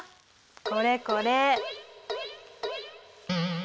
これこれ！